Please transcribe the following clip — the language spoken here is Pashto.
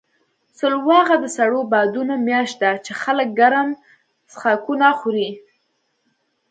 سلواغه د سړو بادونو میاشت ده، چې خلک ګرم څښاکونه خوري.